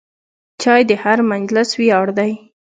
چای د هر مجلس ویاړ دی.